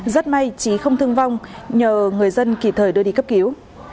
rất may trí không thương vong nhờ người dân kỳ thời đưa đi cấp cứu